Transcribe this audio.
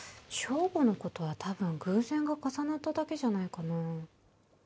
ＳＨＯＧＯのことはたぶん偶然が重なっただけじゃないかな。